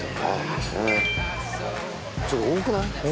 ちょっと多くない？